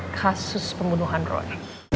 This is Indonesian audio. kasus pembunuhan ron